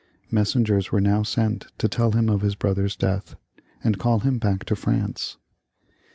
Messengers were now sent to teU him of his brother's death, and call him back to France.